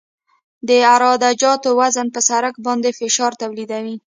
د عراده جاتو وزن په سرک باندې فشار تولیدوي